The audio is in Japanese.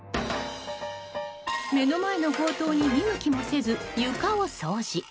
目の前の強盗に見向きもせず床を掃除。